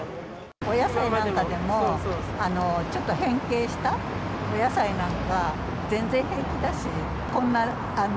お野菜なんかでも、ちょっと変形したお野菜なんか、全然平気だし。